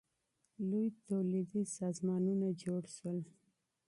لوی تولیدي سازمانونه جوړ سول.